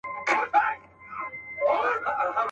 چي مي جانان مجلس له چا سره کوینه.